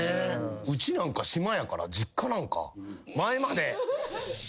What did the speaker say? うちなんか島やから実家なんか前まで。